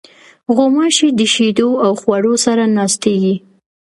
غوماشې د شیدو او خوړو سره ناستېږي.